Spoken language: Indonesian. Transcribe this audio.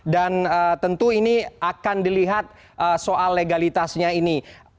dan tentu ini akan dilihat soal legalitasnya ini